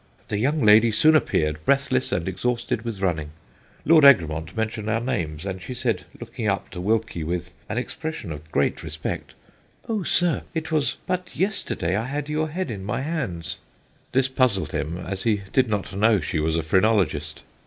The young lady soon appeared, breathless and exhausted with running. Lord Egremont mentioned our names, and she said, looking up to Wilkie with an expression of great respect, 'Oh, sir! it was but yesterday I had your head in my hands.' This puzzled him, as he did not know she was a phrenologist.